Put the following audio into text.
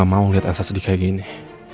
gak mau liat elsa sedih kayak gini